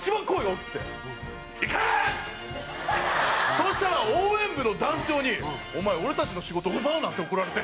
そうしたら応援部の団長にお前俺たちの仕事奪うなって怒られて。